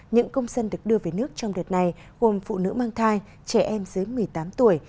những công dân được đưa về nước trong đợt này gồm phụ nữ mang thai trẻ em dưới một mươi tám tuổi